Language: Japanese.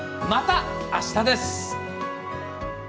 またあしたです。